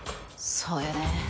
そうよね。